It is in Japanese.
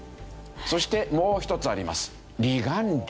そしてもう一つあります。